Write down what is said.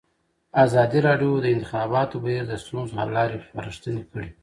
ازادي راډیو د د انتخاباتو بهیر د ستونزو حل لارې سپارښتنې کړي.